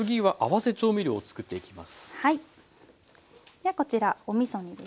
ではこちらおみそにですね